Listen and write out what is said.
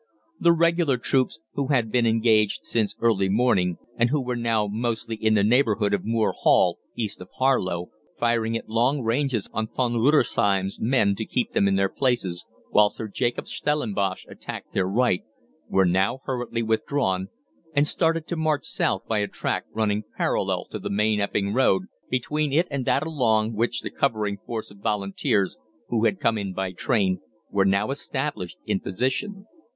The regular troops, who had been engaged since early morning, and who were now mostly in the neighbourhood of Moor Hall, east of Harlow, firing at long ranges on Von der Rudesheim's men to keep them in their places while Sir Jacob Stellenbosch attacked their right, were now hurriedly withdrawn and started to march south by a track running parallel to the main Epping Road, between it and that along which the covering force of Volunteers, who had come in by train, were now established in position.